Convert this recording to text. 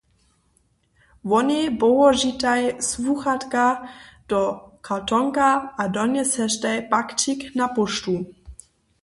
Wonej połožitej słuchatka do kartonka a donjeseštej pakćik na póštu.